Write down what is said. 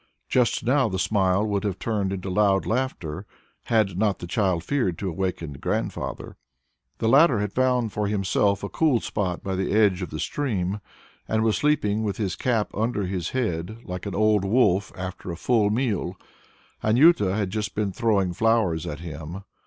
Just now the smile would have turned into loud laughter, had not the child feared to awaken Grandfather. The latter had found for himself a cool spot by the edge of the stream and was sleeping with his cap under his head, like an old wolf, after a full meal. Anjuta had just been throwing flowers at him.